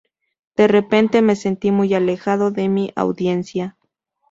De repente me sentí muy alejado de mi audiencia.